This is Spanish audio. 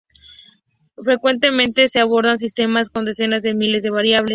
Frecuentemente se abordan sistemas con decenas de miles de variables.